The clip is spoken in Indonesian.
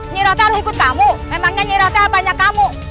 nyirah tak harus ikut kamu memangnya nyirah tak ada banyak kamu